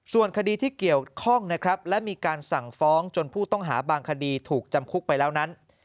ส่วนคดีที่เกี่ยวข้องนะครับและมีการสั่งฟ้องจนผู้ต้องหาบางคดีถูกจำคุกไปแล้วนั้น